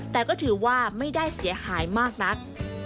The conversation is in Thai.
แต่ก็ถือว่าไม่ได้เสียหายมากนัก